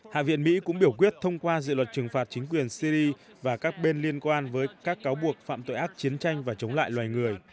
hạ viện mỹ cũng biểu quyết thông qua dự luật trừng phạt chính quyền syri và các bên liên quan với các cáo buộc phạm tội ác chiến tranh và chống lại loài người